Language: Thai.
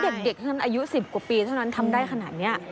เจ้าเด็กอายุ๑๐กว่าปีเท่านั้นทำได้ขนาดนี้